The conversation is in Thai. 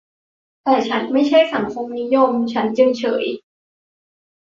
แต่ฉันไม่ใช่สังคมนิยม ฉันจึงเฉย